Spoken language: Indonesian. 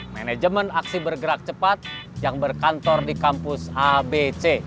manajemen aksi bergerak cepat yang berkantor di kampus abc